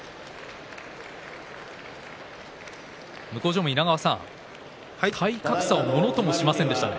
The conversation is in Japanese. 向正面の稲川さん体格差をものともしませんでしたね。